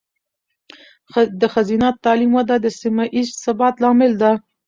د ښځینه تعلیم وده د سیمه ایز ثبات لامل ده.